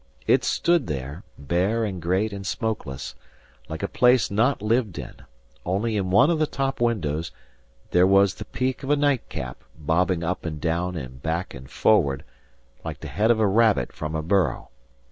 It stood there, bare and great and smokeless, like a place not lived in; only in one of the top windows, there was the peak of a nightcap bobbing up and down and back and forward, like the head of a rabbit from a burrow.